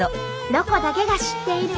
「ロコだけが知っている」。